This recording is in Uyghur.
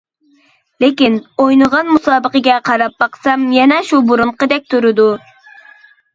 لېكىن ئوينىغان مۇسابىقىگە قاراپ باقسام يەنە شۇ بۇرۇنقىدەك تۇرىدۇ.